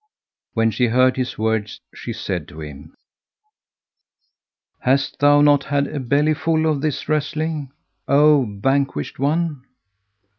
When she heard his words she said to him, "Hast thou not had a belly full of this wrestling, O vanquished one?